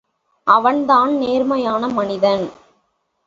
அவன்தான் நேர்மையான மனிதன்.